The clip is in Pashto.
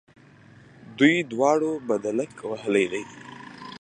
دوی دواړو بدلک وهلی دی.